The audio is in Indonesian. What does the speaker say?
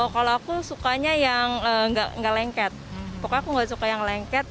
kalau aku sukanya yang nggak lengket pokoknya aku nggak suka yang lengket